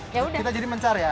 kita jadi mencar ya